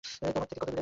তোমার থেকে কতদূরে!